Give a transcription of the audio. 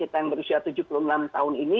kita yang berusia tujuh puluh enam tahun ini